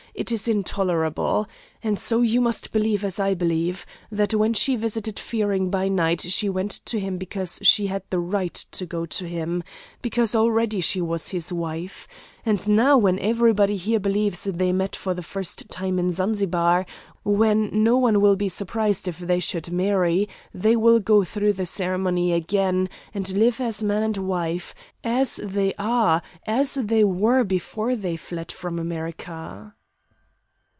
It is intolerable. And so you must believe as I believe; that when she visited Fearing by night she went to him because she had the right to go to him, because already she was his wife. And now when every one here believes they met for the first time in Zanzibar, when no one will be surprised if they should marry, they will go through the ceremony again, and live as man and wife, as they are, as they were before he fled from America!"